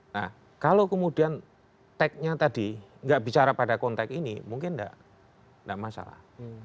nah kalau kemudian tagnya tadi nggak bicara pada konteks ini mungkin tidak masalah